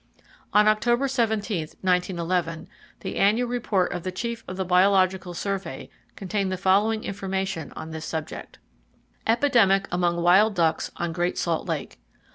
On Oct. 17, 1911, the annual report of the chief of the Biological Survey contained the following information on this subject: Epidemic Among Wild Ducks on Great Salt Lake.